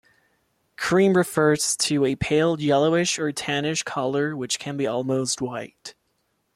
Cream refers to a pale yellowish or tannish colour which can be almost white.